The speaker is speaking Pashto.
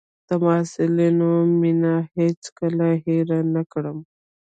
د محصلینو مينه هېڅ کله هېره نه کړم.